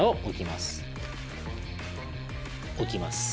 置きます。